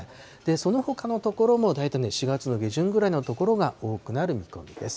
そのほかの所も大体４月の下旬ぐらいの所が多くなる見込みです。